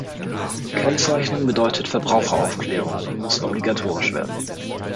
Kennzeichnung bedeutet Verbraucheraufklärung und muss obligatorisch werden.